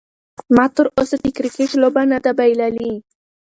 ما تر اوسه د کرکټ لوبه نه ده بایللې.